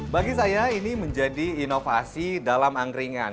bagi saya ini menjadi inovasi dalam angkringan